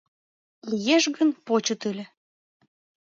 Лиеш гын, почыт ыле.